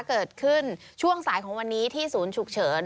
เกิดขึ้นช่วงสายของวันนี้ที่ศูนย์ฉุกเฉิน